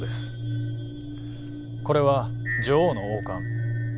これは女王の王冠。